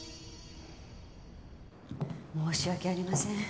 申し訳ありません。